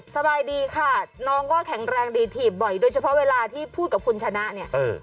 สบายดีค่ะน้องก็แข็งแรงดีถีบบ่อยโดยเฉพาะเวลาที่พูดกับคุณชนะเนี่ย